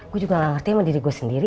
gue juga gak ngerti sama diri gue sendiri